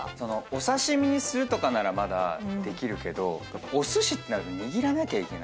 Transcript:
お刺し身にするとかならまだできるけどおすしってなると握らなきゃいけないから。